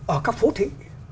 ở các phố thị